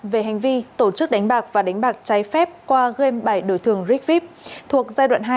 về hành vi tổ chức đánh bạc và đánh bạc trái phép qua gây bảy đổi thường ricvip thuộc giai đoạn hai